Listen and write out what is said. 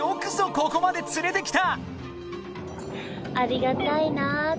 ここまで連れてきた！］